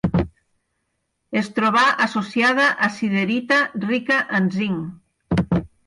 Es trobà associada a siderita rica en zinc.